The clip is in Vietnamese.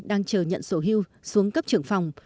đang chờ nhận sổ hưu xuống cấp trưởng phòng